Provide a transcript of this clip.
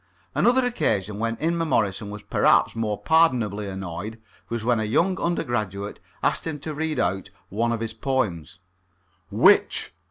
Another occasion when Inmemorison was perhaps more pardonably annoyed was when a young undergraduate asked him to read out one of his poems. "Which?"